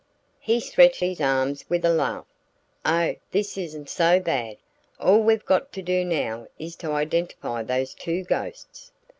He stretched his arms with a laugh. "Oh, this isn't so bad! All we've got to do now is to identify those two ghosts."